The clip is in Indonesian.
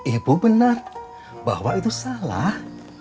ibu benar bahwa itu salah